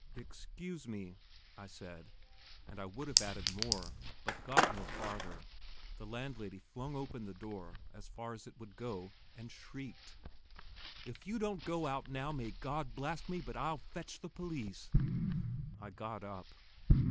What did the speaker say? "Excuse me," I said, and I would have added more, but got no farther; the landlady flung open the door, as far as it would go, and shrieked: "If you don't go out, now, may God blast me, but I'll fetch the police!" I got up.